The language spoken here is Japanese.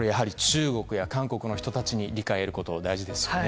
中国や韓国の人たちに理解を得ることが大事ですよね。